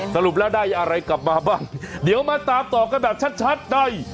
สรุปแล้วได้อะไรกลับมาบ้างเดี๋ยวมาตามต่อกันแบบชัดได้